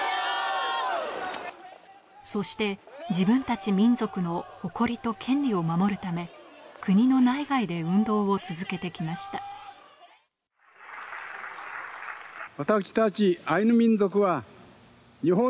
そして自分たち民族の誇りと権利を守るため国の内外で運動を続けて来ました決して。